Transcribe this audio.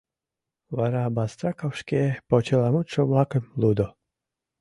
Вара Бастраков шке почеламутшо-влакым лудо.